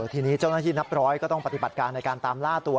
ทีนี้เจ้าหน้าที่นับร้อยก็ต้องปฏิบัติการในการตามล่าตัว